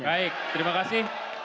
baik terima kasih